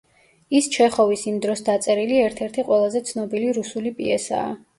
ის ჩეხოვის იმ დროს დაწერილი ერთ-ერთი ყველაზე ცნობილი რუსული პიესაა.